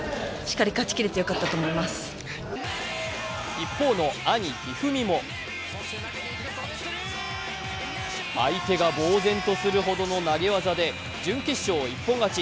一方の兄・一二三も相手がぼう然とするほどの投げ技で準決勝、一本勝ち。